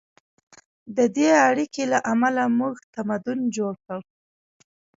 د دې اړیکې له امله موږ تمدن جوړ کړ.